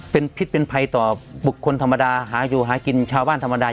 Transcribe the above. เป็นพิษเป็นภัยต่อบุคคลธรรมดาหาอยู่หากินชาวบ้านธรรมดา